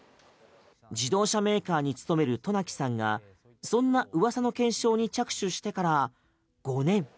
自動車メーカーに勤める登那木さんがそんな噂の検証に着手してから５年。